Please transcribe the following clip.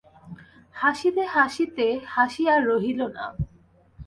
হাসিতে হাসিতে হাসি আর রহিল না।